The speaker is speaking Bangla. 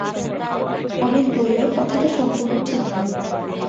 অমিত বললে, কথাটা সম্পূর্ণ ঠিক নয়।